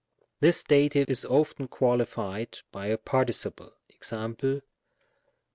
This Dative is often qualified by a participle. jEu.